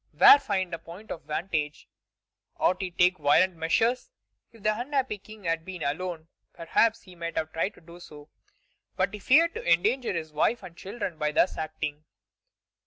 Where find a point of vantage? Ought he to take violent measures? If the unhappy King had been alone, perhaps he might have tried to do so. But he feared to endanger his wife and children by thus acting.